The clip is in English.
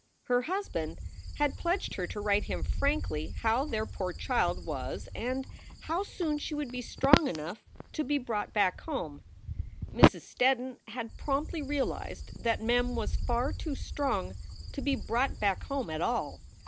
Her husband had pledged her to write him frankly how their poor child was and how soon she would be strong enough to be brought SOULS FOR SALE 205 back home. Mrs. Steddon had promptly realized that Mem was far too strong to be brought back home at all.